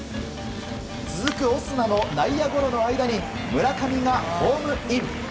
続くオスナの内野ゴロの間に村上がホームイン。